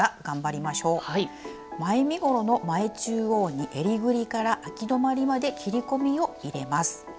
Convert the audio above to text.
前身ごろの前中央にえりぐりからあき止まりまで切り込みを入れます。